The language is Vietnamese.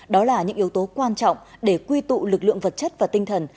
đó là những yếu tố quan trọng để quy tụ lực lượng vật chất và tinh thần